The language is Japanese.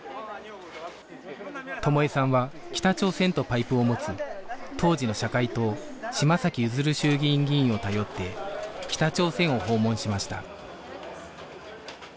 友枝さんは北朝鮮とパイプを持つ当時の社会党嶋崎譲衆議院議員を頼って北朝鮮を訪問しました